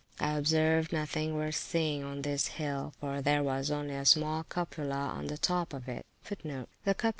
I observed nothing worth seeing on this hill, for there was only a small cupola on the top of it[FN#32]; [p.